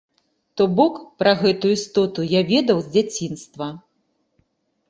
То бок, пра гэтую істоту я ведаў з дзяцінства.